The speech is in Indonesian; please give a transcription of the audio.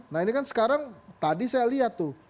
nah ini kan sekarang tadi saya lihat tuh